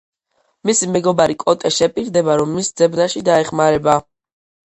მისი მეგობარი კოტე შეპირდება, რომ მის ძებნაში დაეხმარება.